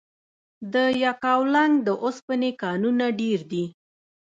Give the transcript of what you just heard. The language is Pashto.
د یکاولنګ د اوسپنې کانونه ډیر دي؟